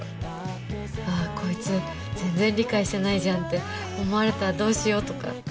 ああこいつ全然理解してないじゃんって思われたらどうしようとか。